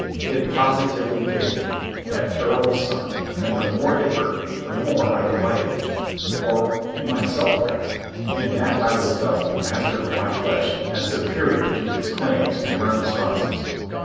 It positively baked me, that terrible sun, and the more it hurt me the more I delighted in it, or in myself rather, in that I was thus the master of my flesh and superior to its claims and remonstrances.